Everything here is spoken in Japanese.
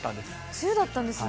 梅雨だったんですね。